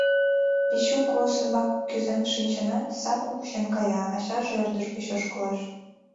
Вечук воз ӱмбак кӱзен шинчынат, сапым кучен кая, ачаже ӧрдыж гыч ошкылеш.